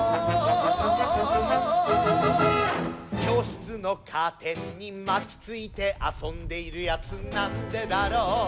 「教室のカーテンに巻きついて遊んでいるやつなんでだろう」